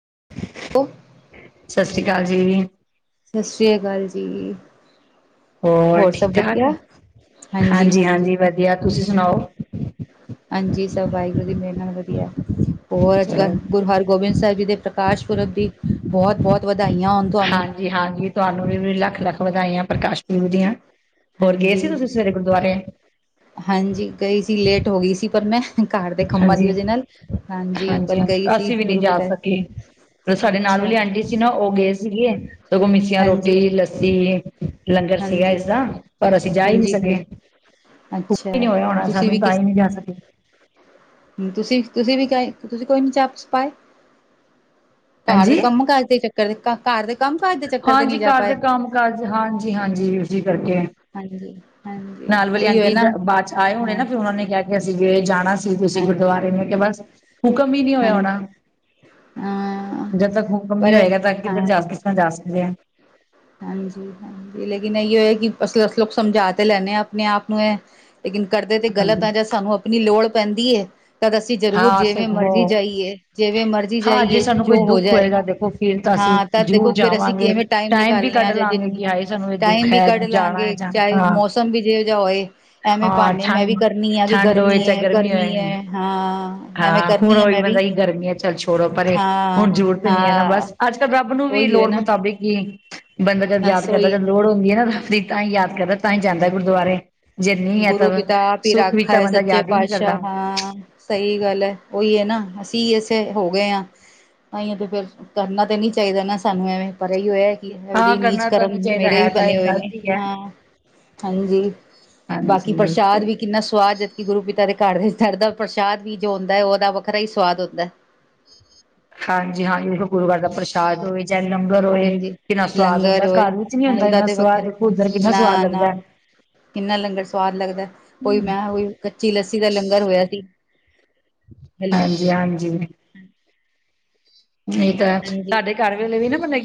[unintelligible] ਸਤਿ ਸ਼੍ਰੀ ਅਕਾਲ ਜੀ। ਸਤਿ ਸ੍ਰੀ ਅਕਾਲ ਜੀ। ਹੋਰ ਸਭ ਠੀਕ ਠਾਕ ਵਧੀਆ ਹਾਂਜੀ ਹਾਂਜੀ ਵਧੀਆ ਤੁਸੀਂ ਸੁਣਾਓ। ਹਾਂਜੀ ਸਭ ਵਾਹਿਗੁਰੂ ਜੀ ਮੇਰੇ ਨਾਲ ਵਧੀਆ ਹੋਰ ਅੱਜ ਗੱਲ੍ਹ ਗੁਰ ਹਰਗੋਬਿੰਦ ਸਿੰਘ [unintelligible] ਜੀ ਦੇ ਪ੍ਰਕਾਸ਼ ਪੁਰਬ ਦੀ ਬਹੁਤ ਬਹੁਤ ਵਧ ਹਾਂਜੀ, ਹਾਂਜੀ ਤੁਹਾਨੂੰ ਵੀ ਲੱਖ ਲੱਖ ਵਧਾਈਆਂ ਪ੍ਰਕਾਸ਼ ਪੁਰਬ ਦੀਆਂ ਹੋਰ ਗਏ ਹਾਂਜੀ, ਸੀ ਤੁਸੀਂ ਸਵੇਰੇ ਗੁਰਦੁਆਰੇ? ਹਾਂਜੀ ਗਈ ਸੀ ਲੇਟ ਹੋ ਗਈ ਸੀ ਪਰ ਮੈਂ ਘਰ ਦੇ ਕਮਾਂ ਦੀ ਹਾਂਜੀ, ਵਜਾ ਨਾਲ ਹਾਂਜੀ ਪਰ ਗਈ ਸੀ ਗੁਰੂ ਪਿਤਾ ਓ ਸਾਡੇ ਨਾਲ ਅੱਛਾ ਵਾਲੀ ਆਂਟੀ ਸੀ ਨਾ ਉਹ ਗਏ ਸੀਗੇ ਸਗੋਂ ਮਿੱਸੀਆਂ ਹਾਂਜੀ ਰੋਟੀ ਲੱਸੀ ਲੰਗਰ ਸੀਗਾ ਹਾਂਜੀ ਇਸਦਾ ਪਰ ਅਸੀਂ ਜਾ ਈ ਨਹੀਂ ਹਾਂਜੀ ਸਕੇ ਹਾਂਜੀ ਹਖੁ ਅੱਛਾ ਨੀ ਹੋਇਆ ਹੋਣਾ ਤੁਸੀਂ ਵੀ ਸਾਨੂੰ ਤਾਂ ਕਿਸ ਹੀ ਨਹੀਂ ਜਾ ਸਕੇ ਤੁਸੀਂ, ਤੁਸੀਂ ਵੀ ਕ ਤੁਸੀਂ ਕੋਈ ਨ ਚਾਪ ਪਾਏ ਘਰ ਦੇ ਹਾਂਜੀ। ਕੰਮ ਕਾੱਜ ਦੇ ਚੱਕਰ ਦੇ ਘਰ ਦੇ ਕੰਮ ਕਾਜ ਦੇ ਚੱਕਰ ਤੇ ਹਾਂਜੀ ਨਹੀਂ ਜਾ ਘਰ ਪਾਏ ਦੇ ਕੰਮ ਕਾਜ, ਹਾਂਜੀ ਹਾਂਜੀ ਇਸੀ ਕਰਕੇ। ਹਾਂਜੀ ਹਾਂਜੀ ਨਾਲ ਵਾਲੀ ਉਹੀ ਹੈ ਆਂਟੀ ਨਾ ਬਾਅਦ, ਚ ਆਏ ਹੋਣੇ ਹਾਂ ਨਾ, ਫਿਰ ਉਹਨਾਂ ਨੇ ਕਿਹਾ ਕਿ ਅਸੀਂ। ਕੇ ਜਾਣਾ ਸੀ। ਤੁਸੀਂ ਹਾਂ ਗੁਰਦੁਆਰੇ ਮੈਂ ਕਿਹਾ ਬਸ। ਹੁਕਮ ਹੀ ਨਹੀਂ ਹੋਇਆ ਹਾਂਜੀ ਹੋਣਾ। ਹਾਂ ਜਦ ਤੱਕ ਹੁਕਮ ਨਈ ਪਰ ਹੋਏਗਾ, ਤਾਂ ਹਾਂ ਕਿੱਧਰ ਜਾ ਕਿਸ ਤਰ੍ਹਾਂ ਜਾ [unintelligible] ਹਾਂਜੀ, ਹਾਂਜੀ ਲੇਕਿਨ ਇਹੀਓ ਹੈ। ਕਿ ਅਸਲ ਅਸੀਂ ਲੋਕ ਸਮਝਾ ਤੇ ਲੈਦੇ ਹਾਂ, ਆਪਣੇ ਆਪ ਨੂੰ ਇਹ ਲੇਕਿਨ ਕਰਦੇ 'ਤੇ ਗਲਤ ਹਾਂਜੀ ਹੈ, ਜਾਂ ਸਾਨੂੰ ਆਪਣੀ ਲੋੜ ਪੈਂਦੀ ਏ। ਤਦ ਅਸੀਂ ਜ਼ਰੂਰ ਹਾਂ ਜਿਵੇਂ ਸਿੱਖੋ ਮਰਜੀ ਜਾਈਏ, ਜਿਵੇਂ ਮਰਜ਼ੀ ਹਾਂ ਜੇ ਜਾਈਏ, ਸਾਨੂੰ ਕੋਈ ਜੋ ਹੋ ਦੁੱਖ ਜਾਏ। ਹੋਏਗਾ ਦੇਖੋ ਫਿਰ ਅਸੀਂ ਹਾਂ, ਤਾਂ ਜ਼ਰੂਰ ਦੇਖੋ ਫੇਰ ਅਸੀਂ ਜਾਵਾਂਗੇ ਕਿਵੇਂ ਟਾਈਮ ਵੀ ਨਿਕਾਲਣਾ। ਲੇ ਕੱਢ ਆਜਾ ਲਾਂਗੇ ਜਿਨ ਕਿ ਹਾਏ ਸਾਨੂੰ ਇਹ ਦੁੱਖ ਟਾਈਮ ਵੀ ਹੈ ਕੱਢ ਜਾਣਾ ਹੈ ਲਾਗੇ, ਜਾਣਾ ਚਾਹੇ ਹਾਂ ਮੌਸਮ ਵੀ ਜਿਹਾ ਹੋਏ ਐਵੇਂ ਬਣ। ਹਾਂ ਨਹੀਂ, ਮੈਂ ਵੀ ਠੰਡ ਕਰਨੀ ਆਂ। ਕਿ ਠੰਡ ਹੋਏ ਗਰਮੀ ਚਾਹੇ ਹੈ, ਗਰਮੀ ਹੋਏ ਹੈ ਹਾਂ। ਐਵੇਂ ਹਾਂ ਹੁਣ ਕਰਨੀ ਆ ਉਹੀ ਮੈਂ ਵੀ ਬੰਦਾ ਈ ਗਰਮੀਆਂ ਚੱਲ ਛੋੜੋ ਪਰੇ, ਹਾਂ ਹੁਣ ਜ਼ਰੂਰਤ ਨਈ ਹੈ, ਨਾ ਹਾਂ ਬਸ ਅੱਜ ਕੱਲ੍ਹ ਰੱਬ ਨੂੰ ਵੀ ਉਹੀ ਹੈ ਲੋੜ ਨਾ ਮੁਤਾਬਿਕ ਹੀ, ਬੰਦਾ ਜਦ ਯਾਦ ਬਸ ਕਰਦਾ ਉਹੀ ਜਦ ਲੋੜ ਹੁੰਦੀ ਹੈ, ਨਾ ਤਾਂ ਹੀ ਯਾਦ ਕਰਦਾ। ਤਾਂ ਹੀ ਜਾਂਦਾ। ਗੁਰਦੁਆਰੇ ਜਿੰਨੀ ਹੈ, ਗੁਰੂ ਤਾਂ ਪਿਤਾ ਆਪ ਹੀ ਸੁੱਖ ਵਿੱਚ ਰਾਖਾ ਤਾਂ ਹੈ ਬੰਦਾ ਸੱਚੇ ਯਾਦ ਹੀ ਨਹੀਂ ਪਾਤਸ਼ਾਹ ਕਰਦਾ। ਹਾਂ ਸਹੀ ਗੱਲ ਹੈ, ਉਹੀ ਹੈ, ਨਾ ਅਸੀਂ ਅਸੇ ਹੋ ਗਏ ਹਾਂ। ਇੱਹੀ ਤੇ ਫੇਰ ਕਰਨਾ ਤਾਂ ਨੀ ਚਾਹੀਦਾ ਨਾ, ਸਾਨੂੰ ਐਵੇਂ ਪਰ ਇਹੀ ਹੋਇਆ। ਹਾਂ ਉਹਦੀ ਨੀਚ ਕਰਨਾ ਤਾਂ ਕਰਮ ਨੀ ਚਾਹੀਦਾ ਮੇਰੇ ਵੀ ਹੈ ਤਾਂ ਬਣੇ ਇਹ ਹੋਏ ਨੇ, ਗ਼ਲਤ ਹੀ ਹੈ ਹਾਂ ਜੀ ਬਾਕੀ ਹਾਂਜੀ ਪ੍ਰਸ਼ਾਦ ਵੀ, ਕਿੰਨਾ ਸਵਾਦ ਜਦਕਿ ਗੁਰੂ ਪਿਤਾ ਦੇ ਘਰ ਦੇ ਚੜਦਾ ਪ੍ਰਸ਼ਾਦ ਵੀ ਜੋ ਹੁੰਦਾ ਹੈ। ਉਹਦਾ ਵੱਖਰਾ ਹੀ ਸਵਾਦ ਹੁੰਦਾ। ਹਾਂਜੀ, ਹਾਂਜੀ ਗੁਰੂ ਘਰ ਦਾ ਪ੍ਰਸ਼ਾਦ ਹੋਵੇ। ਚਾਹੇ ਲੰਗਰ ਹੋਏ ਹਾਂਜੀ ਕਿੰਨਾ ਸੁਆਦ ਲੰਗਰ ਹੁੰਦਾ। ਹੋਏ ਘਰ ਵਿੱਚ ਨਹੀਂ ਹੁੰਦਾ, ਉਹਦਾ ਇਨ੍ਹਾਂ ਤੇ ਸੁਆਦ ਵੱਖਰੇ ਦੇ ਉਧਰ ਕਿੰਨਾ ਨਾ ਸੁਆਦ ਨਾ ਲੱਗਦਾ। ਕਿੰਨਾ ਲੰਗਰ ਸਵਾਦ ਲੱਗਦਾ, ਓਈ ਮੈਂ ਓਈ ਕੱਚੀ ਲੱਸੀ ਦਾ ਲੰਗਰ ਹੋਇਆ ਸੀ। ਹੈਲੋ ਹਾਂਜੀ -ਹਾਂਜੀ ਨਹੀਂ, ਤਾਂ ਹਾਂਜੀ ਸਾਡੇ ਘਰ ਵੇਲੇ ਵੀ ਨਾ ਬੰਨੇ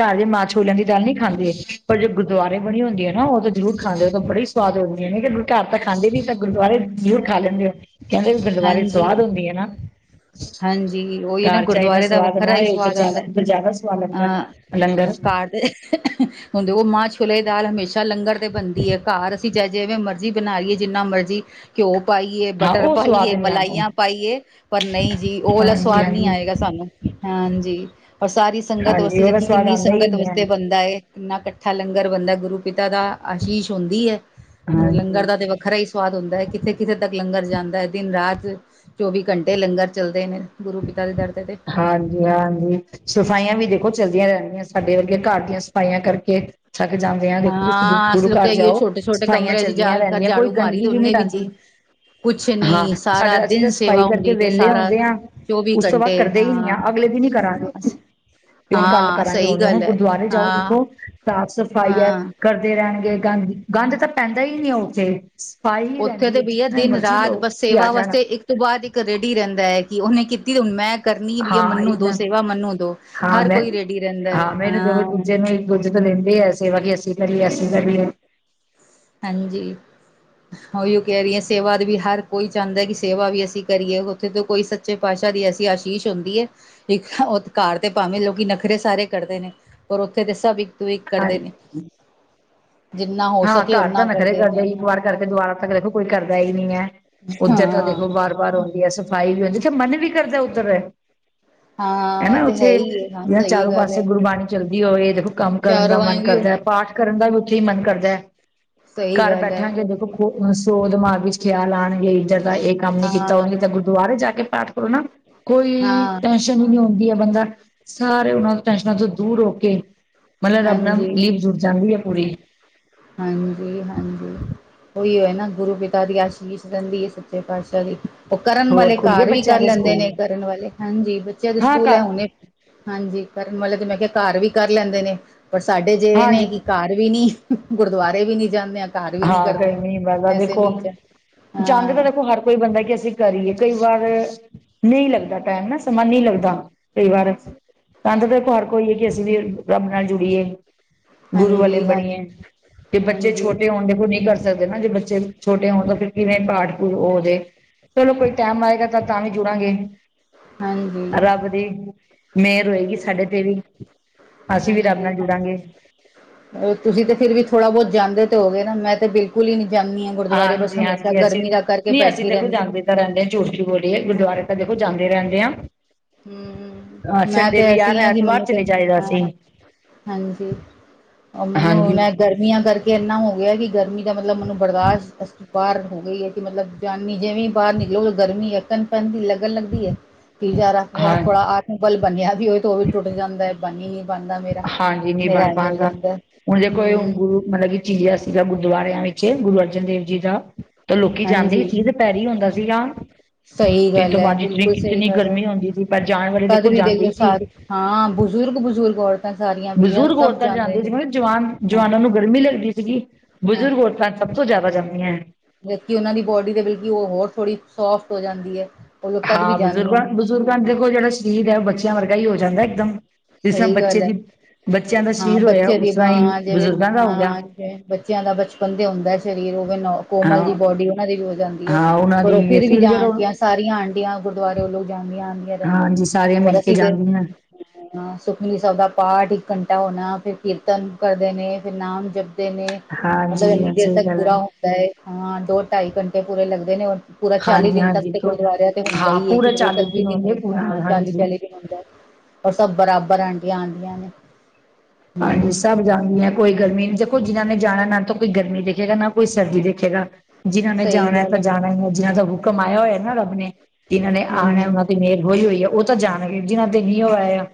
ਘਰ ਦੇ ਮਾਂ ਸ਼ੋਲਿਆ ਦੀ ਦਾਲ ਨਹੀਂ ਖਾਂਦੇ। ਪਰ ਜਬ ਗੁਰਦੁਆਰੇ ਬਣੀ ਹੁੰਦੀ ਹੈ, ਨਾ ਉਹ ਤੇ ਜ਼ਰੂਰ ਖਾਂਦੇ। ਉਹ ਤਾਂ ਬੜੀ ਸਵਾਦ ਹੁੰਦੀਆਂ ਨੇ ਘਰ ਤਾਂ ਖਾਂਦੇ ਨੀ, ਤਾਂ ਗੁਰਦੁਆਰੇ ਜ਼ਰੂਰ ਖਾ ਲੈਂਦੇ ਹੋ। ਕਹਿੰਦੇ ਵੀ ਗੁਰਦੁਆਰੇ ਹਾਂਜੀ ਸਵਾਦ ਹੁੰਦੀ ਹੈ, ਨਾ ਹਾਂਜੀ, ਉਹੀ ਨਾ ਘਰ ਚਾਹੇ ਇੰਨਾ ਗੁਰਦੁਆਰੇ ਦਾ ਸਵਾਦ ਵੱਖਰਾ ਨਾ ਹੀ ਹੋਏ ਉਧਰ ਸਵਾਦ ਜ਼ਿਆਦਾ ਆਉਂਦਾ। ਉੱਧਰ ਜ਼ਿਆਦਾ ਸਵਾਦ ਲੱਗਦਾ ਅਹ ਲੰਗਰ ਘਰ ਦੇ ਹੁੰਦੇ ਉਹ ਮਾਂ ਛੋਲੇ- ਦਾਲ ਹਮੇਸ਼ਾ ਲੰਗਰ ਤੇ ਬਣਦੀ ਹੈ। ਘਰ ਅਸੀਂ ਜੇ ਜਿਵੇਂ ਮਰਜੀ ਬਣਾ ਲਈਏ, ਜਿੰਨਾ ਮਰਜ਼ੀ ਘਿਓ। ਪਾਈਏ ਹਾਂ ਬਟਰ, ਉਹ ਸਵਾਦ ਪਾਈਏ ਨੀ ਆਉਂਦਾ ਮਲਾਈਆਂ, ਪਾਈਏ ਪਰ ਨਹੀਂ। ਜੀ ਉਹ ਵਾਲਾ ਹਾਂਜੀ ਸਵਾਦ ਨੀ ਹਾਂਜੀ ਆਏਗਾ। ਸਾਨੂੰ ਹਾਂਜੀ, ਔਰ ਸਾਰੀ ਸੰਗਤ ਹਾਂਜੀ ਵਾਸਤੇ ਉਹਦਾ ਜਦਕਿ, ਸਵਾਦ ਕਿੰਨੀ ਆਉਂਦਾ ਹੀ ਸੰਗਤ ਨਹੀਂ ਹੈ। ਵਸਤੇ ਬੰਦਾ ਏ ਕਿੰਨਾ, ਇਕੱਠਾ ਲੰਗਰ ਬੰਦਾ ਗੁਰੂ ਪਿ ਦਾ ਆਸ਼ੀਸ਼ ਹੁੰਦੀ ਹੈ। ਹਾਂਜੀ ਲੰਗਰ ਦਾ ਤੇ ਵੱਖਰਾ ਹੀ ਸਵਾਦ ਹੁੰਦਾ ਹੈ।।ਕਿੱਥੇ -ਕਿੱਥੇ ਤੱਕ ਲੰਗਰ ਜਾਂਦਾ। ਦਿਨ -ਰਾਤ ਚੌਵੀ ਘੰਟੇ ਲੰਗਰ ਚੱਲਦੇ ਨੇ। ਗੁਰੂ ਪਿਤਾ ਦੇ ਦਰ ਤੇ ਤੇ ਹਾਂਜੀ, ਹਾਂਜੀ ਸਫਾਈਆਂ ਵੀ ਦੇਖੋ ਚੱਲਦੀਆਂ ਰਹਿੰਦੀਆਂ। ਸਾਡੇ ਵਰਗੇ ਘਰ ਦੀਆਂ ਸਫਾਈਆਂ ਕਰਕੇ। ਥੱਕ ਜਾਂਦੇ ਆਂ। ਦੇਖੋ ਤੁਸੀਂ ਗੁਰੂ ਘਰ ਜਾਓ। ਸਫਾਈਆਂ ਚੱਲਦੀਆਂ ਰਹਿੰਦੀਆਂ ਕੋਈ ਗੰਦਗੀ ਵੀ ਨਈ ਰਹਿੰਦੀ। ਹਾਂ, ਸਾਡੇ ਅਸੀਂ ਤਾਂ ਸਫਾਈ ਕਰਕੇ ਵਿਹਲੇ ਆਉਂਦੇ ਆਂ। ਉਸ ਤੋਂ ਬਾਅਦ ਕਰਦੇ ਹੀ ਨਈ ਹਾਂ ਆ। ਅਗਲੇ ਦਿਨ ਹੀ ਕਰਾਂਗੇ। ਤੇ ਹੁਣ ਕੱਲ ਹਾਂ ਕਰਾਂਗੇ ਸਹੀ ਹੁਣ ਗੱਲ -ਹੁਣ ਹੈ ਗੁਰਦੁਆਰੇ ਜਾਓ। ਹਾਂ ਦੇਖੋ ਸਾਫ ਸਫਾਇਆਂ ਹਾਂ ਕਰਦੇ ਰਹਿਣਗੇ। ਗੰਦ -ਗੰਦ ਤਾਂ ਪੈਂਦਾ ਹੀ ਨਈ ਏ ਉੱਥੇ। ਸਫਾਈ ਹੀ ਉੱਥੇ ਰਹਿੰਦੀ ਤੇ ਹੈ ਬਈਆ ਜਿਤਨਾ ਦਿਨ ਮਰਜ਼ੀ -ਰਾਤ ਬਸ ਲੋਕ ਆ ਸੇਵਾ ਜਾਣ ਵਾਸਤੇ ਇੱਕ ਤੋਂ ਬਾਅਦ ਇੱਕ ਰੇਡੀ ਰਹਿੰਦਾ ਹੈ। ਕਿ ਉਹਨੇ ਕੀਤੀ, ਤੇ ਹੁਣ ਮੈਂ- ਕਰਨੀ ਵੀ ਹੈ। ਹਾਂ ਮੰਨੂੰ ਦੋ ਇੱਕਦਮ ਸੇਵਾ ਮੰਨੂੰ ਦੋ ਹਾਂ ਹਰ ਮੈਂ ਕੋਈ ਰੈਡੀ ਰਹਿੰਦਾ ਹੈ। ਹਾਂ ਕਹਿੰਦੇ ਆ। ਸੇਵਾ ਕਿ ਅਸੀਂ ਕਰੀਏ, ਅਸੀਂ ਕਰੀਏ। ਹਾਂਜੀ ਉਹੀ ਕਹਿ ਰਹੀ ਹੈ। ਸੇਵਾ ਦਾ ਵੀ ਹਰ ਕੋਈ ਚਾਹੁੰਦਾ। ਕਿ ਸੇਵਾ ਵੀ ਅਸੀਂ ਕਰੀਏ, ਉੱਥੇ ਤੋਂ ਕੋਈ ਸੱਚੇ ਪਾਤਸ਼ਾਹ ਐਸੀ ਆਸ਼ੀਸ਼ ਹੁੰਦੀ ਹੈ। ਇੱਕ ਉਹ ਕਾਰ ਤੇ ਭਾਵੇਂ, ਲੋਕ ਨਖਰੇ ਸਾਰੇ ਕਰਦੇ ਨੇ, ਪਰ ਉੱਥੇ ਤੇ ਸਭ ਇੱਕ ਤੂੰ ਇੱਕ ਕਰਦੇ ਨੇ। ਹਾਂਜੀ ਜਿੰਨਾ ਹੋ ਹਾਂ ਸਕ ਘਰ ਤਾਂ ਨਖਰੇ ਕਰਦੇ ਇੱਕ ਵਾਰ ਕਰਕੇ ਦੁਬਾਰਾ ਤੱਕ ਦੇੇਖੋ ਕੋਈ ਕਰਦਾ ਹੀ ਨਹੀਂ ਹੈ ਉੱਧਰ ਤਾਂ ਹਾਂ ਦੇਖੋ ਬਾਰ ਬਾਰ ਆੁੰਂਦੀ ਹੈ ਸਫ਼ਾਈ ਵੀ ਹੁੰਦੀ ਜਥੇ ਮਨ ਵੀ ਕਰਦਾ ਉੱਧਰ ਹਾਂ ਉਹ ਹਨਾ ਤੇ ਹੈ ਉੱਥੇ ਹੀ ਹੈ। ਹਾਂ ਜਿਹੜਾ ਸਹੀ ਚਾਰੋ ਗੱਲ ਪਾਸੇ ਹੈ ਗੁਰਬਾਣੀ ਚੱਲਦੀ ਹੋਵੇ ਦੇਖੋ ਕੰਮ ਕਰਨ ਦਾ ਚਾਰੋਂ ਆਏ ਮਨ ਵੀ ਕਰਦਾ ਹੈ ਪਾਠ ਕਰਨ ਦਾ ਵੀ ਉੱਥੇ ਹੀ ਮਨ ਕਰਦਾ ਹੈ ਸਹੀ ਘਰ ਗੱਲ ਹੈ ਬੈਠਾਂਗੇ ਦੇਖੋ ਓਕੇ ਖ ਸੋ ਦਿਮਾਗ ਵੀ ਖਿਆਲ ਆਉਣਗੇ ਇੱਧਰ ਦਾ ਇਹ ਕੰਮ ਨੀ ਕੀਤਾ ਹਾਂ ਹੋਣਗੇ ਤਾਂ ਗੁਰਦੁਆਰੇ ਜਾ ਕੇ ਪਾਠ ਕਰੋ ਨਾ ਕੋਈ ਹਾਂ ਟੈਸ਼ਨ ਹੀ ਨਹੀਂ ਆਉਂਦੀ ਹੈ ਬੰਦਾ ਸਾਰੇ ਉਹਨਾਂ ਦੇ ਟੈਸ਼ਨਾਂ ਤੋਂ ਦੂਰ ਹੋ ਕੇ ਮਤਲਬ ਰੱਬ ਨਾਲ ਹਾਂਜੀ ਲੀਪ ਜੁੜ ਜਾਂਦੀ ਹੈ ਪੂਰੀ ਹਾਂਜੀ- ਹਾਂਜੀ ਉਹੀਏ ਨਾ ਗੁਰੂ ਪਿਤਾ ਦੀ ਆਸ਼ੀਸ਼ ਰਹਿੰਦੀ ਹੈ ਸੱਚੇ ਪਾਤਸ਼ਾਹ ਦੀ ਕਰਨ ਹੋਰ ਵਾਲੇ ਖੁੱਲ ਗਏ ਘਰ ਵੀ ਬੱਚਿਆਂ ਕਰ ਦੇ ਲੈਂਦੇ ਸਕੂਲ ਨੇ ਕਰਨ ਵਾਲੇ ਹਾਂਜੀ ਬੱਚਿਆਂ ਦੇ ਹਾਂ ਸਕੂਲ ਐ ਘਰ ਹੁਣੇ ਹਾਂਜੀ ਕਰਨਵਾਲੇ ਤੇ ਮੈਂ ਕਿਹਾ ਘਰ ਵੀ ਕਰ ਲੈਂਦੇ ਨੇ ਪਰ ਸਾਡੇ ਜਿ ਇਹ ਨੇ ਹਾਂਜੀ ਕਿ ਘਰ ਵੀ ਨਹੀਂ ਗੁਰਦੁਆਰੇ ਵੀ ਨੀ ਜਾਂਦੇ ਆ ਘਰ ਵੀ ਨੀ ਕਰਦੇ ਆ ਐਸੇ ਨੀਚ ਆ ਜਾਂਦੇ ਤਾਂ ਦੇਖੋ ਹਰ ਕੋਈ ਬੰਦਾ ਕਿ ਅਸੀਂ ਕਰੀਏ ਕਈ ਵਾਰ ਨਹੀਂ ਲੱਗਦਾ ਟਾਈਮ ਨਾ ਸਮਾਂ ਨਹੀਂ ਲੱਗਦਾ ਕਈ ਵਾਰ ਤਾਂਦ ਦੇਖੋ ਹਰ ਕੋਈ ਅਸੀਂ ਵੀ ਰੱਬ ਨਾਲ ਜੁੜੀਏ ਗੁਰੂ ਵਾਲੇ ਹਾਂਜੀ ਹਾਂਜੀ ਬਣੀਏ ਤੇ ਬੱਚੇ ਹਾਂਜੀ ਛੋਟੇ ਹੋਣ ਦੇਖੋ ਨਹੀਂ ਕਰ ਸਕਦੇ ਨਾ ਜੇ ਬੱਚੇ ਛੋਟੇ ਹੋਣ ਤਾਂ ਫਿਰ ਕਿਵੇਂ ਪਾਠ ਹੋ ਜਾਵੇ ਚਲੋ ਕੋਈ ਟਾਈਮ ਆਏਗਾ ਤਾਂ-ਤਾਂ ਵੀ ਜੁੜਾਂਗੇ ਹਾਂਜੀ ਰੱਬ ਦੀ ਮੇਅਰ ਹੋਏਗੀ ਸਾਡੇ ਤੇ ਵੀ ਅਸੀਂ ਵੀ ਰੱਬ ਹਾਂਜੀ ਨਾਲ ਹਾਂਜੀ ਜੁੜਾਂਗੇ। ਤੁਸੀਂ ਤੇ ਫਿਰ ਵੀ ਥੋੜਾ ਬਹੁਤ ਜਾਂਦੇ ਤੇ ਹੋਗੇ ਨਾ ਮੈਂ ਤੇ ਬਿਲਕੁਲ ਹੀ ਨੀ। ਹਾਂਜੀ -ਹਾਂਜੀ ਅਸੀਂ ਕਰਕੇ ਨ ਅਸੀਂ ਬੈਠੀ ਦੇਖੋ ਰਹਿੰਦੀ ਜਾਂਦੇ ਤਾਂ ਰਹਿੰਦੇ ਹਾਂ ਝੂਠ ਕਿਉਂ ਬੋਲੀਏ ਗੁਰਦੁਆਰੇ ਤਾਂ ਦੇ ਜਾਂਦੇ ਰਹਿੰਦੇ ਆ। ਹਮ ਮੈਂ ਤੇ ਯਾਰ ਐਸੀ ਹਾ ਜੀ ਐਤਵਾਰ ਮੈਨੂੰ ਤੇ ਚਲੇ ਜਾਈਦਾ ਅਸੀਂ ਹਾਂਜੀ ਉਹ ਮੈਨੂੰ ਹਾਂਜੀ ਮੈ ਗਰਮੀਆਂ ਕਰਕੇ ਇਨਾ ਕਿ ਗਰਮੀ ਦਾ ਮਤਲਬ ਮੈਨੂੰ ਬਰਦਾਸ਼ਤ ਅ ਬਾਹਰ ਹੋ ਗਈ ਹੈ ਕਿ ਮਤਲਬ ਜਾਨੀ ਜਿਵੇਂ ਬਾਹਰ ਨਿਕਲੋ ਗਰਮੀ ਯਕਨ ਪੰਨ ਦੀ ਲਗ ਲੱਗਣ ਲੱਗਦੀ ਹੈ ਥੋੜਾ ਹਾਂ ਆ ਬਲ ਬਣਿਆ ਵੀ ਹੋਏ ਤੇ ਉਹ ਵੀ ਟੁੱਟ ਜਾਂਦਾ ਹੈ ਬਣੀ ਹਾਂਜੀ ਨਹੀਂ ਬਣ ਪਾਦਾ ਹੁਣ ਜੇ ਕੋਈ ਹਮ ਗੂਰ ਚੀਆ ਸੀਗਾ ਗੁਰਦੁਆਰਿਆਂ ਵਿੱਚ ਜੇ ਗੁਰੂ ਅਰਜਨ ਦੇਵ ਜੀ ਦਾ ਤਾਂ ਲੋਕੀ ਜਾਂਦੇ ਹੀ ਹਾਂਜੀ ਸੀ ਤੇ ਦੁਪਿਹਰ ਹੀ ਹੁੰਦਾ ਸੀਗਾ ਸਹੀ ਤਿੰਨ ਗੱਲ ਤੋਂ ਹੈ ਪੰਜ ਜਿਤਨੀ ਬਿਲਕੁਲ ਸਹੀ ਕਿਤਨੀ ਗੱਲ ਹੈ ਗਰਮੀ ਹੁੰਦੀ ਸੀ ਪਰ ਜਾਣ ਵਾਲੇ ਤਦ ਦੇਖੋ ਵੀ ਦੇਖ ਜਾਂਦੇ ਲਓ ਹੀ ਸੀ ਸਾਰੀ ਹਾਂ ਬਜ਼ੁਰਗ-ਬਜ਼ੁਰਗ ਔਰ ਬਜ਼ੁਰਗ ਔਰਤਾਂ ਜਾਂਦੀਆਂ ਸੀ ਮ ਜਵਾਨ ਹਾਂ ਜਵਾਨਾਂ ਨੂੰ ਗਰਮੀ ਲੱਗਦੀ ਸੀਗੀ। ਬਜ਼ੁਰਗ ਔਰਤਾਂ ਸਭ ਤੋਂ ਜ਼ਿਆਦਾ ਜਾਂਦੀਆਂ ਏ ਜਦ ਕਿ ਉਹਨਾਂ ਦੀ ਬੋਡੀ ਤੇ ਬਲਕਿ ਉਹ ਹੋਰ ਥੋੜ੍ਹੀ ਸੋਫਟ ਹੋ ਜਾਂਦੀ ਐ ਹਾਂ ਬਜ਼ੁਰਗਾਂ-ਬਜ਼ੁਰਗਾਂ ਦੇਖੋ ਜਿਹੜਾ ਸਰੀਰ ਹੈ ਉਹ ਬੱਚਿਆਂ ਵਰਗਾ ਹੀ ਹੋ ਜਾਂਦਾ ਇੱਕਦਮ ਜਿਸ ਤਰਾਂ ਸਹੀ ਬੱਚੇ ਗੱਲ ਹੈ ਦੀ ਬੱਚਿਆਂ ਦਾ ਹਾਂ ਸਰੀਰ ਹੋਇਆ ਬੱਚੇ ਦੀ ਉਸ ਤਰ੍ਹਾਂ ਹੀ ਜਿਵੇਂ ਬਜ਼ੁਰਗਾਂ ਦਾ ਹੋ ਗਿਆ ਹਾਂ ਜਿਵੇ ਬੱਚਿਆਂ ਦਾ ਬਚਪਨ ਤੇ ਹੁੰਦਾ ਸਰੀਰ ਉਹ ਕੋਮਲ ਹਾਂ ਜੀ ਬੋਡੀ ਉਹਨਾਂ ਦੀ ਵੀ ਹੋ ਜਾਂਦੀ ਹੈ ਹਾਂ ਉਹਨਾਂ ਪਰ ਉਹ ਦੀ ਫਿਰ ਵੀ ਅਸੀਂ ਜਾਂਣ ਚਲੋ ਦੀਆਂ ਸਾਰੀਆਂ ਆਂਟ ਆਂਟੀਆਂ ਗੁਰਦੁਆਰੇ ਲੋਕ ਜਾਂਦੀਆਂ ਆਦੀਆਂ ਜਾਂਦੀਆਂ ਹਾਂਜੀ ਸਾਰੀਆਂ ਪਰ ਮਿਲ ਕੇ ਅਸੀਂ ਫਿਰ ਜਾਂਦੀਆਂ ਸੁਖਮਨੀ ਸਭ ਦਾ ਪਾਠ ਇੱਕ ਘੰਟਾ ਹੋਣਾ ਫੇਰ ਕੀਰਤਨ ਕਰਦੇ ਨੇ ਫੇਰ ਨਾਮ ਜਪ ਨੇ ਮਤਲਬ ਹਾਂਜੀ ਇੰਨੀ ਹਾਂ ਦੇਰ ਸਹੀ ਤੱਕ ਗੱਲ ਹੈ ਪੂਰਾ ਹੁੰਦਾ ਹੈ ਹਾਂ ਦੋ ਢਾਈ ਘੰਟੇ ਪੂਰੇ ਲੱਗਦੇ ਨੇ ਪੂਰਾ ਚਾਲੀ ਹਾਂਜੀ ਦਿਨ ਤੱਕ ਹਾਂਜੀ ਤੇ ਤੋਂ ਗੁਰਦਆਰਿਆਂ ਤੇ ਹੁੰਦਾ ਹਾਂ ਹੀ ਹੈ ਪੂਰਾ ਕਿਧਰੇ ਚਾਲੂ ਇਕੱਤੀ ਹੁੰਦੇ ਦਿਨ ਪੂਰਾ ਤਾਂ ਹਾਂਜੀ ਚਾਲੀ-ਚਾਲੀ ਦਿਨ ਹੁੰਦਾ ਰ ਸਭ ਬਰਾਬਰ ਆਂਟੀਆਂ ਆਦੀਆਂ ਨੇ ਹਾਂਜੀ ਹਮ ਸਭ ਜਾਂਦੀ ਹੈ ਕੋਈ ਗਰਮੀ ਨੀ ਜਿਹਨ੍ਹਾਂ ਨੇ ਜਾਣਾ ਨਾ ਤਾਂ ਕੋਈ ਗਰਮੀ ਦੇਖੇਗਾ ਨਾ ਕੋਈ ਸਰਦੀ ਦੇਖੇਗਾ। ਜਿਹਨ੍ਹਾਂਨਾਂ ਨੇ ਸਹੀ ਜਾਣਾ ਗੱਲ ਤਾਂ ਹੈ ਜਾਣਾ ਹੀ ਜਿਹਨਾ ਦਾ ਹੁਕਮ ਆਇਆ ਹੋਇਆ ਨਾ ਰੱਬ ਨੇ ਜਿਨਾਂ ਨੇ ਆਉ ਹਮ ਉਹਨਾਂ ਦੀ ਮੇਲ ਹੋਈ ਹੋਈ ਆ ਉਹ ਤਾਂ ਜਾਣਗੇ ਜਿਹਨਾਂ ਦੇ ਨ ਹੋ ਆਇ ਆ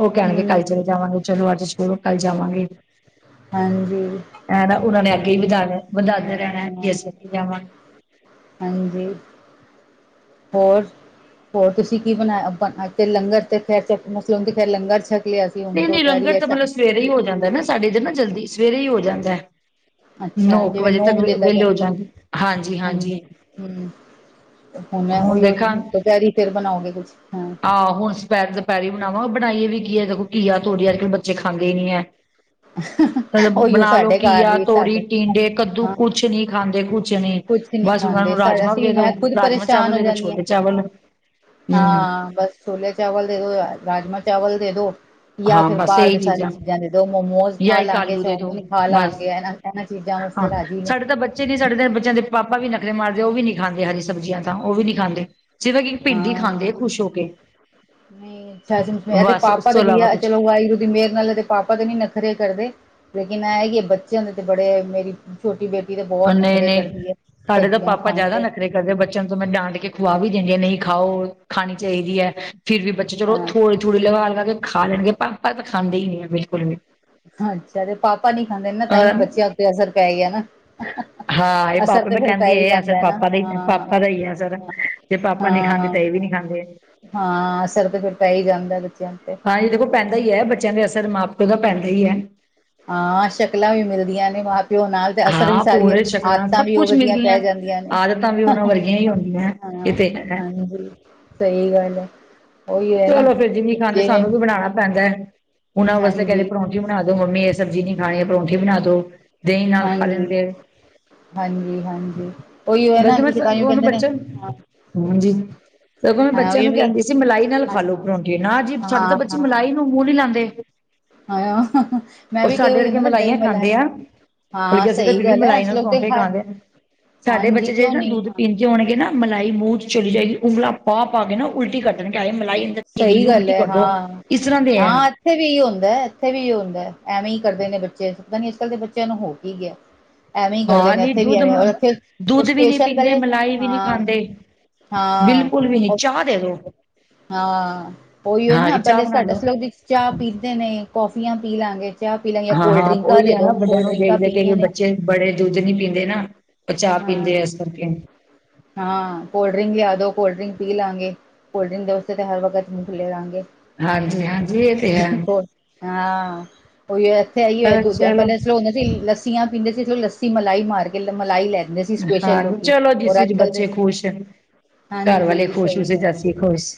ਉਹ ਕਹਿਣਗੇ ਕੱਲ ਹਮ ਚਲੇ ਜਾਵਾਂਗੇ ਚਲੋ ਅੱਜ ਚਲੋ ਕੱਲ ਜਾਵਾਂਗੇ ਹਾਂਜੀ ਹੈ ਨਾ ਉਹਨਾਂ ਨੇ ਅੱਗੇ ਹੀ ਵਧਾ ਵਧਾਂਦੇ ਰਹਿਣਾ ਕਿ ਅਸੀਂ ਅੱਥੇ ਜਾਵਾ ਹਾਜੀ ਹੋਰ, ਹੋਰ ਤੁਸੀਂ ਕੀ ਬਣਾਇਆ ਬਣਾ ਤੇ ਲੰਗਰ ਤੇ ਖੈਰ ਚ ਮਸਲਮ ਦੀ ਫੇਰ ਲੰਗਰ ਛ ਨਹੀਂ-ਨਹੀਂ ਲੰਗਰ ਤਾਂ ਮਤਲਬ ਸਵੇਰੇ ਹੀ ਹੋ ਜਾਂਦੈ ਨਾ ਸਾਡੇ ਇਧਰ ਨਾ ਜਲਦੀ ਸਵੇਰੇ ਹੀ ਹੋ ਜਾਂਦਾ। ਨੌ ਕੁ ਵਜੇ ਤੱਕ ਵਿਹਲੇ ਹੋ ਜਾਂਗੇ, ਹਾਂਜੀ-ਹਾਂਜੀ ਹਾਂਜੀ ਹੂੰ ਹੁਣ ਏ ਉਹੀ ਦੁਪਹਿਰੀ ਫਿਰ ਬਣਾਓਗੇ ਕੁਛ। ਹਾਂ ਆਹੋ ਹੁਣ ਸਪੈ ਦੁਪਹਿਰੀ ਬਣਾਵਾਂ, ਬਣਾਈਏ ਵੀ ਕੀ ਹੈ ਦੇਖੋ। ਘੀਆ ਤੋਰੀ ਅੱਜਕੱਲ ਬੱਚੇ ਖਾਂਦੇ ਹੀ ਨੀ ਐ । [unintelligible] ਮਤਲਬ ਬਣਾ ਲਓ ਸਾਡੇ ਘਰ ਘੀਆ, ਵੀ ਤੋਰੀ, ਸਾਡੇ ਟੀਂਡੇ, ਕੱਦੂ ਹਾਂ ਕੁਛ ਨੀ ਖਾਂਦੇ, ਕੁਛ ਨੀ ਕੁਛ ਨੀ ਬਸ ਉਹਨਾਂ ਖਾਂਦੇ ਨੂੰ ਸਾ ਰਾਜਮਾ ਵੀ ਅਸੀਂ ਦੇ ਦੋ, ਮੈਂ ਖੁਦ ਰਾਜਮਾਂ ਪਰੇਸ਼ਾਨ ਚਾਵਲ ਹੋ ਦੇ ਦੋ, ਜਾਂਦੀ ਹਾਂ ਛੋਟੇ ਚਾਵਲ। ਹੂੰ ਹਾਂ, ਬਸ ਛੋਲੇ ਚਾਵਲ ਦੇ ਦੋ, ਰਾਜਮਾ ਚਾਵਲ ਦੇ ਦੋ। ਯਾ ਹਾਂ ਫਿਰ ਬਸ ਬਾਹਰ ਦੇ ਇਹੀ ਸਾਰੀ ਚੀਜ਼ਾਂ ਦੇ ਦੋ। ਮੋਮੋਸ ਜਾਂ ਖਾ ਇੱਕ ਲਾਂਗੇ, ਆਲੂ ਦੇ ਦੋ ਚੌਮਿਨ ਖਾ ਬਸ ਲਾਂਗੇ ਇਹ, ਇਹਨਾਂ ਚੀਜ਼ਾਂ ਵਾਸਤੇ ਹਾਂ ਰਾਜੀ ਨੇ। ਖਰੇ ਮਾਰਦੇ, ਉਹ ਵੀ ਨੀ ਖਾਂਦੇ, ਹਰੀ ਸਬਜ਼ੀਆਂ ਤਾਂ ਉਹ ਵੀ ਨੀ ਖਾਂਦੇ। ਸਿਰਫ ਇੱਕ ਭਿੰਡੀ ਖਾਂਦੇ ਹਾਂ, ਖੁਸ਼ ਹੋ ਕੇ ਨਹੀਂ ਅੱਛਾ, ਇਹਦੇ ਬਸ ਉਸ ਪਾਪਾ ਦੇ ਤੋਂ ਵੀ ਇਲਾਵਾ ਆ ਕੁਛ ਚਲੋ ਵਾਹਿੁਗੁਰੂ ਦੀ ਮੇਹਰ ਨਾਲ ਇਦੇ ਪਾਪਾ ਤੇ ਨੀ ਨਖਰੇ ਕਰਦੇ। ਇਨਾ ਆਏਗੀ, ਬੱਚੇ ਉਨ੍ਹਾਂ ਦੇ ਬੜੇ, ਮੇਰੀ ਛੋਟੀ ਬੇਟੀ ਤੇ ਬਹੁਤ ਨਖਰੇ ਨਹੀਂ-ਨਹੀਂ ਕਰਦੀ ਹੈ। ਸਾਡੇ ਤਾਂ ਸਬਜ਼ੀਆਂ ਪਾਪਾ ਖਾਣ ਜਿਆਦਾ ਤੇ ਨਖਰੇ ਕਰਦੇ ਬੱਚਿਆਂ ਨੂੰ ਤੇ ਮੈਂ ਡਾਂਟ ਕੇ ਖੁਆ ਵੀ ਦਿੰਦੀ ਆਂ ਨਹੀਂ ਖਾਓ, ਖਾਣੀ ਚਾਹੀਦੀ ਹੈ ਫੇਰ ਵੀ ਬੱਚੇ ਚਲੋ ਹਾਂ ਥੋੜੀ ਥੋੜੇ ਲਗਾ-ਲਗਾ ਕੇ ਖਾ ਖਾ ਲੈਣਗੇ, ਪਰ-ਪਰ ਤਾਂ ਖਾਂਦੇ ਹੀ ਨਹੀਂ ਆ ਬਿਲਕੁਲ ਵੀ। ਹਾਂਜੀ, ਸਾਡੇ ਪਾਪਾ ਨੀ ਖਾਂਦੇ ਨਾ ਤਾਂ ਬੱਚਿਆਂ ਅ ਉੱਤੇ ਅਸਰ ਪੈ ਗਿਆ ਨਾ ਹਾ-ਹਾ-ਹਾ ਹਾਂ, ਇਹ ਪਾਪਾ, ਮੈਂ ਕਹਿੰਦੀ ਆ ਇਹ ਅਸਰ ਪਾਪਾ ਦਾ ਹੀ ਹਾਂ ਪਾਪਾ ਦਾ ਹੀ ਏ ਅਸਰ ਜੇ ਪਾਪਾ ਨੀ ਖਾਂਦੀ ਹਾਂ। ਤਾਂ ਇਹ ਵੀ ਨੀ ਖਾਂਦੇ ਹਾਂ ਅਸਰ ਤੇ ਫਿਰ ਪੈ ਹੀ ਜਾਂਦਾ ਬੱਚਿਆਂ ਤੇ ਤਾਈਂ ਦੇਖੋ ਪੈਂਦਾ ਹੀ ਹੈ ਬੱਚਿਆਂ ਦੇ ਅਸਰ ਮਾ ਮਾ ਪੀਓ ਦਾ ਪੈਂਦਾ ਹੀ ਐ ਹਾਂ ਸ਼ਕਲਾਂ ਵੀ ਮਿਲਦੀਆਂ ਨੇ ਮਾਂ ਪਿਓ ਨਾਲ। ਤੇ ਅਸਰ ਵੀ ਹਾਂ ਸਾਰੀ, ਹੈ ਪੂੜੇ ਸ਼ਕਲਾਂ ਆਦਤਾਂ ਸਭ ਵੀ ਉਹ ਕੁਛ ਵਧੀਆ ਪੈ ਮਿਲਦੀਆਂ ਜਾਂਦੀਆਂ ਨੇ। ਆਦਤਾਂ ਵੀ ਉਹਨਾਂ ਵਰਗੀਆਂ ਹੀ ਹੁੰਦੀਆਂ ਹਾਂ ਇਹ ਤੇ ਹੈ ਹਾਂਜੀ, ਸਹੀ ਗੱਲ ਐ। ਚਲੋ ਫਿਰ ਜੇ ਨੀ ਖਾਂਦੇ, ਸਾਨੂੰ ਕੁੱਝ ਬਣਾਉਣਾ ਹਾਂ ਪੈਂਦੈ। ਉਹਨਾਂ ਵਾਸਤੇ ਕਹਿੰਦੇ ਹਾਂਜੀ ਪਰੌਂਠੀ ਬਣਾ ਦੋ ਮੰਮੀ, ਇਹ ਸਬਜ਼ੀ ਨੀ ਖਾਣੀ ਪਰੌਂਠੀ ਬਣਾ ਦੋ। ਦਹੀਂ ਨਾਲ ਖਾ ਹਾਂਜੀ ਲੈਂਦੇ ਐ। ਹਾਂਜੀ ਹਾਂਜੀ ਉਹੀ ਹੈ ਨਾ ਬਲਕੀ ਮੈ ਸ ਕਿ ਤਾਂਹੀਓ ਉਹਨੂੰ ਕਹਿੰਦੇ ਨੇ ਬੱਚਾ। ਹਾਂ ਹਾਂਜੀ ਸਗੋਂ ਮੈਂ ਹਾਂ ਬੱਚਿਆਂ ਉਹੀ ਨੂੰ ਵੀ ਕਹਿੰਦੀ ਸੀ, ਮਲਾਈ ਨਾਲ ਹਾਂ ਖਾਲੋ ਪਰੋਂਠੇ, ਨਾ ਜੀ ਸਾਡੇ ਤਾਂ ਬੱਚੇ ਮਲਾਈ ਨੂੰ ਮੂੰਹ ਨੀ ਲਾਉਂਦੇ। ਖੂਹ ਮੈਂ ਵੀ ਕਈ ਹੋਈ ਕਦਾ ਨਾ ਦਹੀਂ ਮਲਾਈ ਹਾਂ ਮਤਲ ਅਸੀਂ ਤਾਂ ਸਹੀ ਫਿਰ ਵੀ ਗੱਲ ਹੈ ਮਲਾਈ ਨਾਲ ਅਸੀਂ ਲੋਕ ਤੇ ਪਰੌਂਠੇ ਹ ਖਾਂਦੇ ਹਾਂ। ਸਾਡੇ ਹਾਂਜੀ ਬੱਚੇ ਜਿਹੜੇ ਕਿਉਂ ਨਾ ਨਹੀਂ ਦੁੱਧ ਹਾਂ ਪੀਂਦੇ ਹੋਣਗੇ, ਨਾ ਮਲਾਈ ਮੂੰਹ ਚ ਚਲੀ ਜਾਏਗੀ ਉਂਗਲਾ ਪਾ ਪਾ ਕੇ ਨਾ ਉਲਟੀ ਕੱਟਣ ਕੇ ਸਹੀ ਗੱਲ ਹੈ, ਹਾਂ, ਇਸ ਤਰ੍ਹਾਂ ਦੇ ਹੈ ਹਾਂ ਇੱਥੇ ਵੀ ਏਹੀ ਹੁੰਦਾ, ਇੱਥੇ ਵੀ ਏਹੀ ਹੁੰਦਾ! ! ਐਵੇਂ ਹੀ ਕਰਦੇ ਨੇ ਬੱਚੇ, ਪਤਾ ਨੀ ਅੱਜ ਕੱਲ੍ਹ ਦੇ ਬੱਚਿਆਂ ਨੂੰ ਹੋਰ ਕੀ ਗਿਆ? ਐਵੇਂ ਹੀ ਕਰਦੇ ਹਾਂ ਨੇ ਨਹੀਂ ਇਥੇ ਵੀ ਦੁੱਧ ਐਵੇਂ ਅਉਰ ਇਥੇ ਉਹ ਦੁੱਧ ਵੀ ਨਹੀਂ ਸਪੇਸ਼ਲ ਪੀਂਦੇ ਬਲੇ, ਮਲਾਈ ਵੀ ਨਹੀਂ ਹਾਂ। ਖਾਂਦੇ ਹਾਂ ਬਿਲਕੁਲ ਵੀ ਨਹੀਂ ਚਾਹ ਦੇ ਦੋ ਹਾਂ, ਓਹੀ ਏ ਹਾਂ ਨਾ ਕਿ ਚਾਹ ਪਹਿਲੇ ਬਣਾ ਸਾਡੇ ਲੋ ਅਸੀ ਲੋਕ ਚਾਹ ਪੀਂਦੇ ਨੇ, ਕੌਫੀਆਂ ਪੀ ਲਾਂਗੇ। ਚਾਹ ਪੀ ਲਾਂਗੇ ਯਾਂ ਹਾਂ ਹਾਂ ਕੋਲਡ੍ਰਿੰਕਾਂ ਉਹੀ ਦੇ ਹੈ ਦੋ, ਨਾ ਵੱਡਿਆਂ ਨੂੰ ਕੋਲਡ੍ਰਿੰਕਾਂ ਦੇਖ ਦੇਖ ਕੇ ਪੀਣੀਆਂ ਨੇ। ਬੱਚੇ ਬੜੇ ਦੁੱਧ ਨੀ ਪੀਂਦੇ ਨਾ ਉਹ ਚਾਹ ਹਾ- ਪੀਂਦੇ ਹਾਂ, ਆ ਇਸ ਕਰਕੇ ਹਾਂ-ਹਾਂ, ਕੋਲਡ੍ਰਿੰਕ ਲਯਾਦੋ। ਕੋਲਡਰਿੰਕ ਪੀ ਲਾਂਗੇ, ਕੋਲਡਰਿੰਕ ਦੇ ਉੱਤੇ ਤੇ ਹਰ ਵਕਤ ਮੂੰਹ ਖੁੱਲ੍ਹੇ ਰਹਿਣਗੇ ਹਾਂਜੀ-ਹਾਂਜੀ ਹਾਂ ਉਹੀ ਇੱਥੇ ਐਈ ਹੈ ਦੂਜਾ, ਚਲੋ ਪਹਿਲਾਂ ਅਸੀ ਹੁੰਦੇ ਸੀ, ਲੱੱਸੀਆਂ ਪੀਂਦੇ ਸੀ, ਲੱਸੀ ਮਲਾਈ ਮਾਰ ਕੇ ਮਲਾਈ ਲੈ ਦੇ ਸੀ ਸਪੇਸ਼ਲ ਹਾਂਜੀ ਲੋਕੀ, ਚਲੋ ਜਿਸ ਔਰ ਅੱਜ ਵਿੱਚ ਕੱਲ ਦੇ ਬੱਚੇ ਖੁਸ਼ ਘਰ ਹਾਂਜੀ, ਵਾਲੇ ਖੁਸ਼ ਸਹੀ ਉਸ ਵਿੱਚ ਗੱਲ ਅਸੀਂ ਖੁਸ਼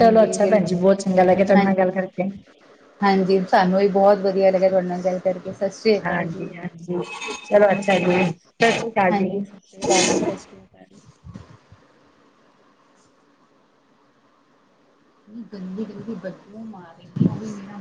ਚਲੋ ਅੱਛਾ ਭੈਣ ਜੀ ਬਿਲਕੁਲ ਬਹੁਤ ਚੰਗਾ ਲੱਗਿਆ ਤੁਹਾਡੇ ਨਾਲ ਹਾਂਜੀ ਗੱਲ ਕਰਕੇ ਹਾਂਜੀ ਸਾਨੂੰ ਵੀ ਬਹੁਤ ਵਧੀਆ ਲੱਗਿਆ ਤੁਹਾਡੇ ਨਾਲ ਗੱਲ ਕਰ ਕੇ। ਹਾਂਜੀ ਹਾਂਜੀ। ਚਲੋ ਅੱਛਾ ਜੀ ਅਕਾਲ ਹਾਂਜੀ ਸਤਿ ਸ਼੍ਰੀ ਅਕਾਲ ਜੀ। ਸਤਿ ਸ਼੍ਰੀ ਅਕਾਲ ਜੀ। ਗੰਦੀ ਗਦੀ ਬਦੂਬੂ ਮਾਰ